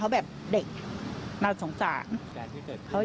ใช่ค่ะถ่ายรูปส่งให้พี่ดูไหม